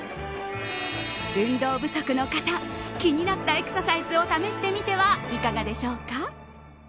運動不足の方気になったエクササイズを試してみてはいかがでしょうか。